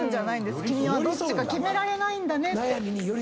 君はどっちか決められないんだねって。